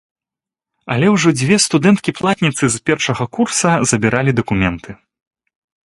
Але ўжо дзве студэнткі-платніцы з першага курса забралі дакументы.